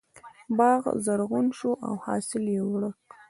باغ زرغون شو او حاصل یې ورکړ.